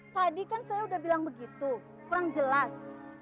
tadi kan saya udah bilang begitu kurang jelas